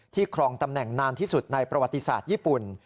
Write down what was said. ครองตำแหน่งนานที่สุดในประวัติศาสตร์ญี่ปุ่น